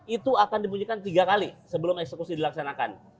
itu akan dibunyikan tiga kali sebelum eksekusi dilaksanakan